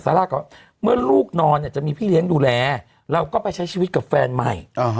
ร่าก็เมื่อลูกนอนเนี่ยจะมีพี่เลี้ยงดูแลเราก็ไปใช้ชีวิตกับแฟนใหม่